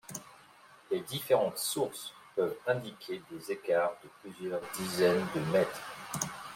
Les différentes sources peuvent indiquer des écarts de plusieurs dizaines de mètres.